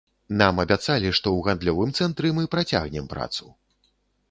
Нам абяцалі, што ў гандлёвым цэнтры мы працягнем працу.